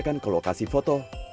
sebaran ke lokasi foto